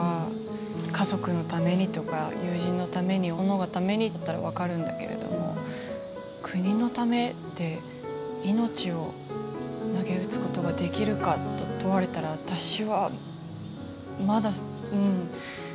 家族のためにとか友人のためにおのがためにだったら分かるんだけれども「国のため」で命をなげうつことができるかと問われたら私はまだうん。